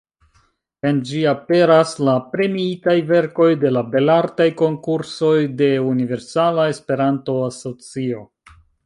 En ĝi aperas la “Premiitaj verkoj de la Belartaj konkursoj de Universala Esperanto-Asocio’’.